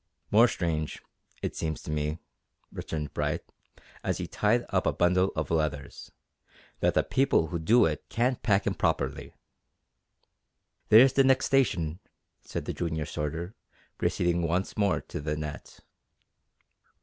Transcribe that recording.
"More strange, it seems to me," returned Bright, as he tied up a bundle of letters, "that the people who do it can't pack 'em properly." "There's the next station," said the junior sorter, proceeding once more to the net.